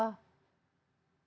atau ada yang yang tetap nggak